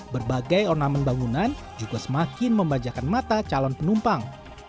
berbagai ornamen bangunan juga semakin membajakan mata calon penumpang